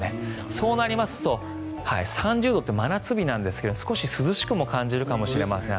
そうなりますと３０度って真夏日なんですけど少し涼しく感じるかもしれません。